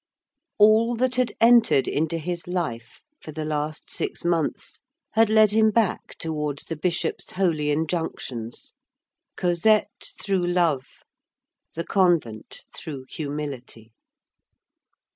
All that had entered into his life for the last six months had led him back towards the Bishop's holy injunctions; Cosette through love, the convent through humility.